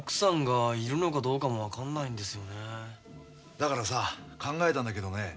だからさ考えたんだけどね